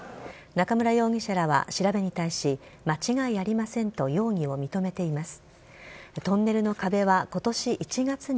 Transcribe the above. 中村容疑者らは調べに対し間違いありませんと容疑を認めています。